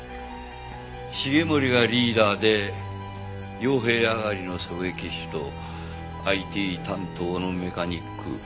繁森がリーダーで傭兵上がりの狙撃手とＩＴ担当のメカニック。